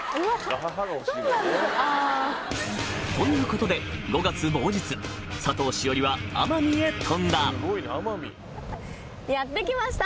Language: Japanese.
「あ」。ということで佐藤栞里は奄美へ飛んだやって来ました！